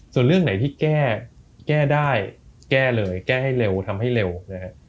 ส่วนเรื่องไหนที่แก้แก้ได้แก้เลยแก้ให้เร็วทำให้เร็วนะฮะ